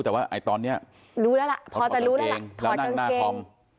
แต่ว่าไอ้ตอนเนี้ยรู้แล้วล่ะพอจะรู้แล้วล่ะถอดกางเกงแล้วนั่งหน้าคอม